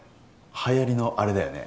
はやりのあれだよね？